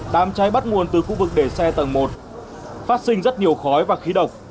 đám cháy bắt nguồn từ khu vực để xe tầng một phát sinh rất nhiều khói và khí độc